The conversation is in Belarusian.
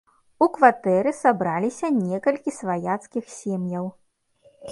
У кватэры сабраліся некалькі сваяцкіх сем'яў.